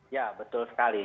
ya betul sekali